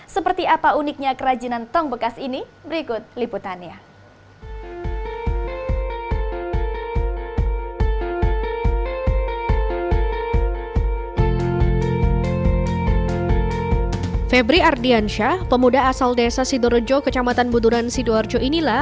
seperti apa uniknya kerajinan tong bekas ini berikut liputannya